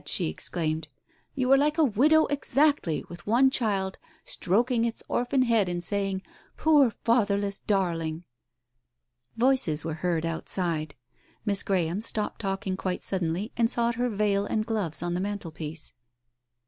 she exclaimed. "You are like a widow exactly, with one child, stroking its orphan head and saying, ' Poor fatherless darling.' " Voices were heard outside. Miss Graham stopped talking quite suddenly, and sought her veil and gloves on the mantelpiece.